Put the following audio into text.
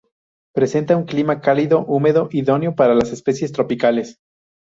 Presenta un clima cálido húmedo, idóneo para las especies tropicales.